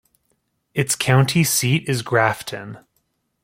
Its county seat is Grafton.